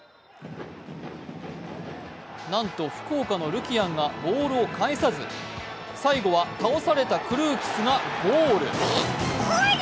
なんと福岡のルキアンがボールを返さず、最後は倒されたクルークスがゴール。